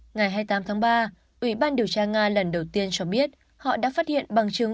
ngày hai mươi tám tháng ba ủy ban điều tra nga lần đầu tiên cho biết họ đã phát hiện bằng chứng